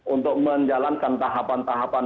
untuk menjalankan tahapan tahapan